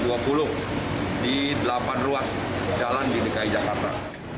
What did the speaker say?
di delapan ruas jalan di dki jakarta